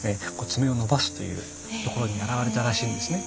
爪を伸ばすというところに表れたらしいんですね。